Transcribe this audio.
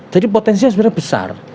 jadi potensinya sebenarnya besar